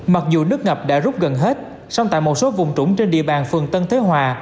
mặc dù nước ngập đã rút gần hết song tại một số vùng trũng trên địa bàn phường tân thế hòa